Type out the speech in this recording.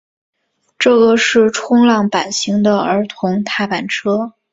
这个是冲浪板型的儿童踏板车。